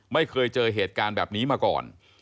ไม่เคยเจอเหตุการณ์แบบนี้มาก่อน